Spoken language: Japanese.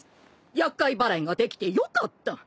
厄介払いができてよかった。